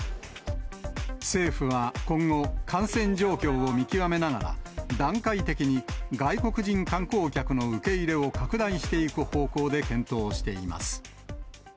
政府は今後、感染状況を見極めながら、段階的に外国人観光客の受け入れを拡大していく方向で検討しています。